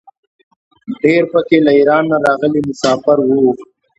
ډېر په کې له ایران نه راغلي مساپر وو.